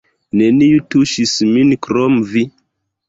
Neniu tuŝis min krom vi!